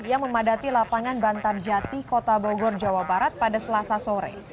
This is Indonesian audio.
yang memadati lapangan bantarjati kota bogor jawa barat pada selasa sore